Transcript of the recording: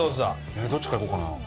どっちから行こうかなあ。